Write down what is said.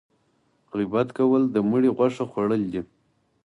غیبت کول د مړي غوښه خوړل دي